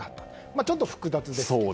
ちょっと複雑ですけどね。